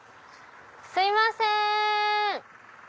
すいません！